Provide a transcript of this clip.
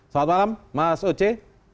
selamat malam mas oce